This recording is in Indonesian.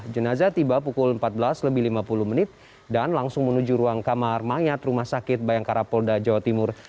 jenazah tiba pukul empat belas lebih lima puluh menit dan langsung menuju ruang kamar mayat rumah sakit bayangkara polda jawa timur